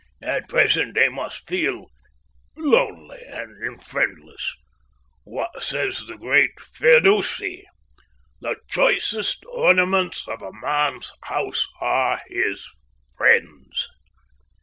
At present they must feel lonely and friendless. What says the great Firdousi? 'The choicest ornaments to a man's house are his friends.'"